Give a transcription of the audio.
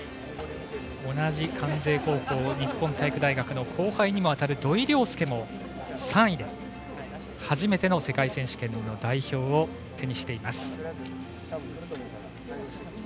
同じ関西高校、日本体育大学の後輩にも当たる土井陵輔も３位で初めての世界選手権の代表を手にしています。